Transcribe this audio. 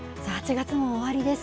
８月も終わりです。